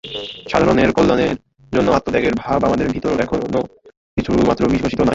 সাধারণের কল্যাণের জন্য আত্মত্যাগের ভাব আমাদের ভিতর এখনও কিছুমাত্র বিকশিত হয় নাই।